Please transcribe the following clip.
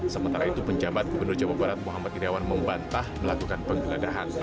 sementara itu penjabat gubernur jawa barat muhammad iryawan membantah melakukan penggeledahan